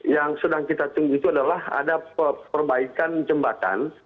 yang sedang kita tunggu itu adalah ada perbaikan jembatan